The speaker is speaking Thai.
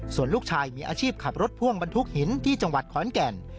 ส่วนลูกชายมีอาชีพขับรถพ่วงบรรทุกหินที่จังหวัดขอนแก่น